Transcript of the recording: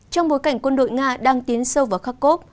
trong bối cảnh quân đội nga đang tiến sâu vào kharkov